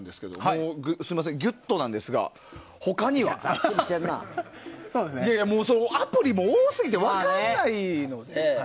ギュッとなんですが、他には？アプリも多すぎて分かんないので。